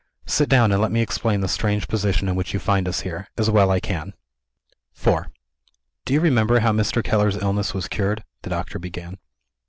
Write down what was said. Sit down, and let me explain the strange position in which you find us here, as well as I can." IV "Do you remember how Mr. Keller's illness was cured?" the doctor began.